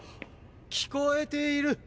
聞こえている！